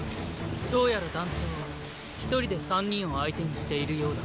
どうやら団長は一人で三人を相手にしているようだ。